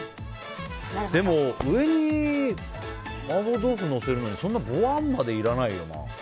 でも、上に麻婆豆腐のせるのにそんな、ぼわんまでいらないよな。